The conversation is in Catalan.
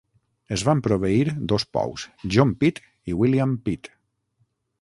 Es van proveir dos pous: John Pit i William Pit.